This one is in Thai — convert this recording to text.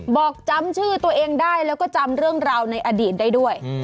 บอกจำชื่อตัวเองได้แล้วก็จำเรื่องราวในอดีตได้ด้วย